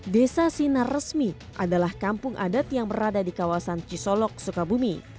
desa sinar resmi adalah kampung adat yang berada di kawasan cisolok sukabumi